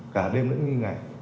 cả đêm đến ngày